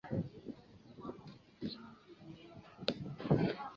小黑毛肩长蝽为长蝽科毛肩长蝽属下的一个种。